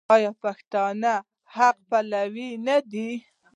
آیا پښتون د حق پلوی نه دی؟